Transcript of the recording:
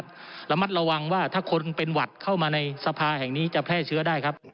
สูตรมูกแบบนี้เป็นหวัด